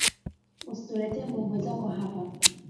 Usituletee mbwembwe zako hapa